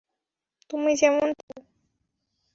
তুমি যেমন চাও।